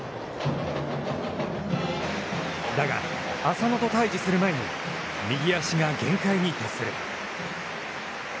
だが、浅野と対峙する前に右足が限界に達する。